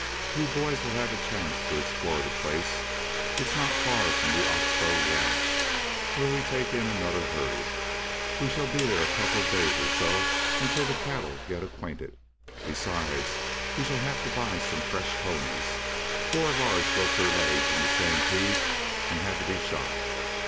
You boys will have a chance to explore the place. It's not far from the Ox Bow ranch, where we take in another herd. We shall be there a couple of days or so until the cattle get acquainted. Besides, we shall have to buy some fresh ponies. Four of ours broke their legs in the stampede and had to be shot."